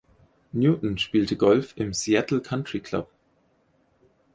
Newton spielte Golf im "Seattle Country Club".